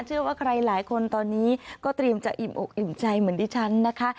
เชื่อว่าใครหลายคนตอนนี้ก็เตรียมจะอิ่มอกอิ่มใจเหมือนดิฉันนะคะ